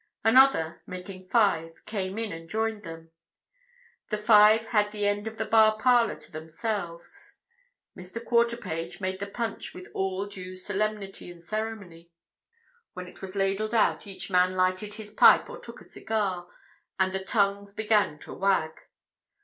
Another, making five, came in and joined them—the five had the end of the bar parlour to themselves. Mr. Quarterpage made the punch with all due solemnity and ceremony; when it was ladled out each man lighted his pipe or took a cigar, and the tongues began to wag.